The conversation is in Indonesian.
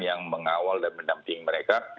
yang mengawal dan mendamping mereka